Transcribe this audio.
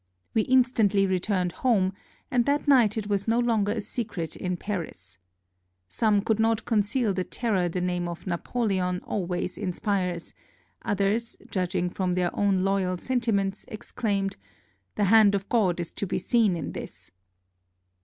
We instantly returned home, and that night it was no longer a secret in Paris. Some could not conceal the terror the name of Napoleon always inspires; others, judging from their own loyal sentiments, exclaimed, "The hand of God is to be seen in this!"